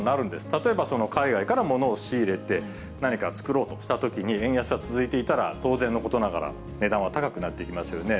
例えば海外からものを仕入れて何か作ろうとしたときに、円安が続いていたら、当然のことながら、値段は高くなっていきますよね。